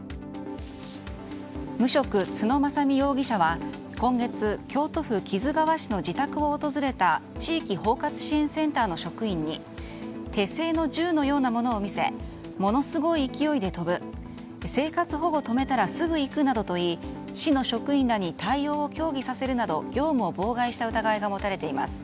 無職・津野政美容疑者は今月、京都府木津川市の自宅を訪れた地域包括支援センターの職員に手製の銃のようなものを見せものすごい勢いで飛ぶ生活保護止めたらすぐ行くなどと言い市の職員らに対応を協議させるなど業務を妨害した疑いが持たれています。